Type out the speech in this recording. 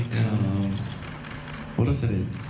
แล้วมีอะไร